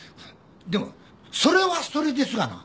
でもそれはそれですがな。